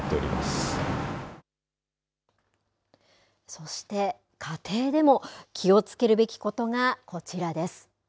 そして家庭でも気をつけるべきことがこちらです。